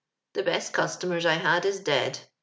The best customers I had is dead.